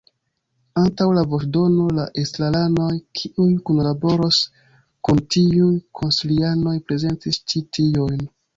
Antaŭ la voĉdono la estraranoj, kiuj kunlaboros kun tiuj konsilianoj, prezentis ĉi tiujn.